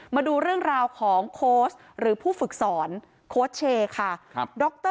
มาดูเรื่องราวของโค้ชหรือผู้ฝึกสอนโค้ชเชค่ะครับดร